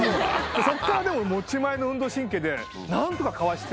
そこからでも持ち前の運動神経で何とかかわして。